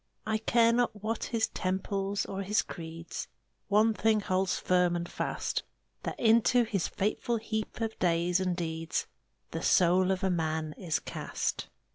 I care not what his temples or his creeds, One thing holds firm and fast That into his fateful heap of days and deeds The soul of a man is cast.